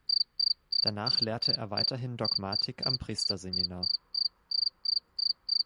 Danach lehrte er weiterhin Dogmatik am Priesterseminar.